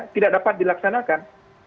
tidak dapat dilaksanakan